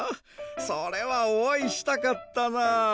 それはおあいしたかったな。